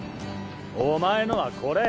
お前のはこれ。